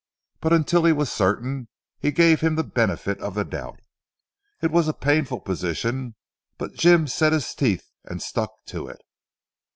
But until he was certain, he gave him the benefit of the doubt. It was a painful position, but Jim set his teeth and stuck to it.